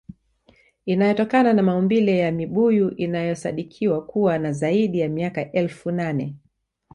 Inayotokana na maumbile ya mibuyu inayosadikiwa kuwa na zaidi ya miaka elfu nane